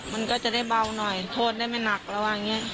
มันก็จะได้เบาหน่อยโทษได้ไม่หนักเราว่าอย่างนี้